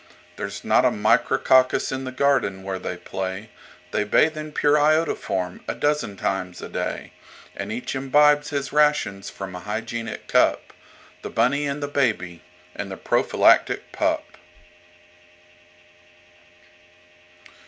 There's not a Micrococcus in the garden where they play; They bathe in pure iodoform a dozen times a day; And each imbibes his rations from a Hygienic Cup—The Bunny and the Baby and the Prophylactic Pup.